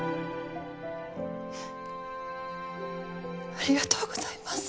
ありがとうございます！